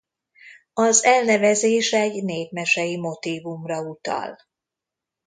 Az elnevezés egy népmesei motívumra utal.